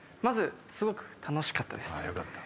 まずすごく楽しかったです。